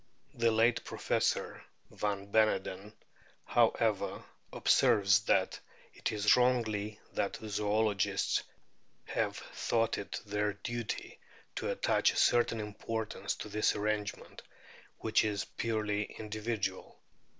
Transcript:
The late Professor van Beneden, how r ever, observes that it is wrongly that " zoologists have thought it their duty to attach a certain importance to this arrangement, which is purely individual."